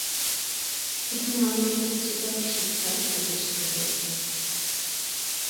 এখানে অনেকগুলি উচ্চতর শিক্ষার প্রতিষ্ঠিত হয়েছে।